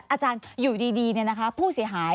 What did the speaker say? อาจารย์อยู่ดีเนี่ยนะคะผู้เสียหาย